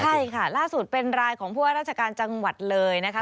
ใช่ค่ะล่าสุดเป็นรายของผู้ว่าราชการจังหวัดเลยนะคะ